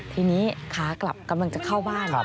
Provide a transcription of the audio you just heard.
ทีนี้ขากลับกำลังจะเข้าบ้าน